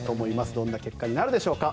どんな結果になるでしょうか